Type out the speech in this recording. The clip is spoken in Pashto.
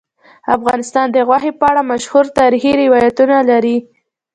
افغانستان د غوښې په اړه مشهور تاریخی روایتونه لري.